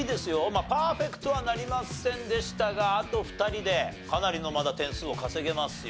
まあパーフェクトはなりませんでしたがあと２人でかなりのまだ点数を稼げますよ。